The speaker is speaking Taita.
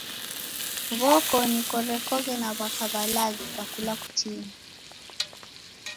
W'okoni korekoghe na w'aka w'alazi kakula kutini.